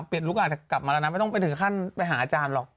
ลุกอาจจะกลับมาแล้วนะไม่ต้องไปถึงขั้นไปหาอาจารย์หรอก